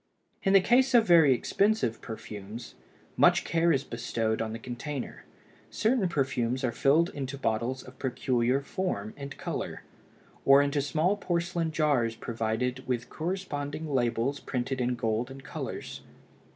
In the case of very expensive perfumes, much care is bestowed on the container; certain perfumes are filled into bottles of peculiar form and color, or into small porcelain jars provided with corresponding labels printed in gold and colors.